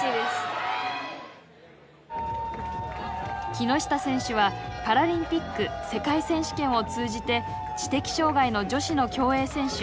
木下選手はパラリンピック世界選手権を通じて知的障害の女子の競泳選手